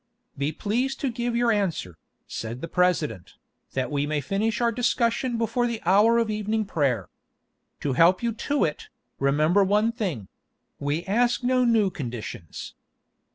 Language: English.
"Be pleased to give your answer," said the President, "that we may finish our discussion before the hour of evening prayer. To help you to it, remember one thing—we ask no new conditions."